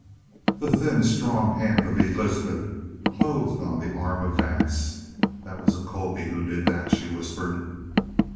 The thin, strong hand of Elizabeth closed on the arm of Vance. "That was a Colby who did that!" she whispered.